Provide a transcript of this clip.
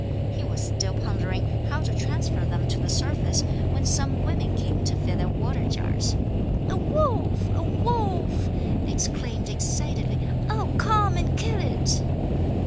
He was still pondering how to transfer them to the surface when some women came to fill their water jars. "A wolf! a wolf!" they exclaimed excitedly. "Oh, come and kill it!"